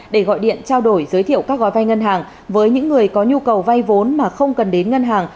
để gọi điện trao đổi giới thiệu các gói vay ngân hàng với những người có nhu cầu vay vốn mà không cần đến ngân hàng